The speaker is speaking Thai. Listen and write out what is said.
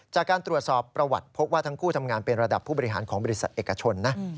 จากการตรวจสอบประวัติพบว่าทั้งคู่ทำงานเป็นระดับผู้บริหารของบริษัทเอกชนนะ